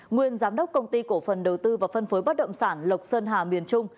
nguyên giám đốc công ty cổ phần đầu tư và phân phối bất động sản lộc sơn hà miền trung